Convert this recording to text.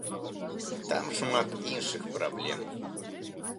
Там шмат іншых праблем.